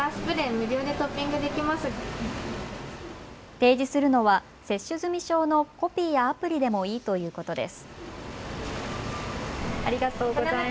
提示するのは接種済証のコピーやアプリでもいいということです。